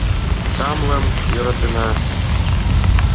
Тамлым йӧратена.